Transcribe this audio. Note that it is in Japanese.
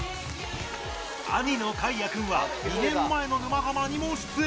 兄のかいやくんは２年前の「沼ハマ」にも出演。